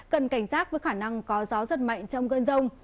cần cảnh giác với khả năng có gió rất mạnh trong gân rông